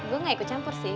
gue gak ikut campur sih